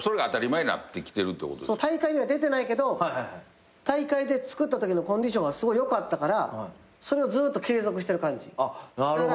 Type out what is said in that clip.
大会には出てないけど大会でつくったときのコンディションがすごい良かったからそれをずっと継続してる感じ。